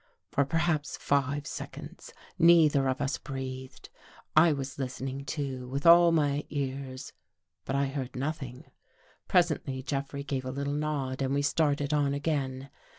For perhaps five seconds neither of us breathed. I was listening, too, with all my ears, but I heard nothing. Presently Jeffrey gave a little nod and we started on again.